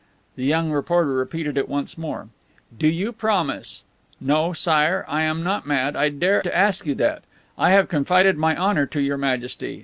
The young reporter repeated it once more: "Do you promise? No, Sire, I am not mad. I dare to ask you that. I have confided my honor to Your Majesty.